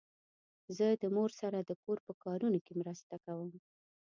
زه د مور سره د کور په کارونو کې مرسته کوم.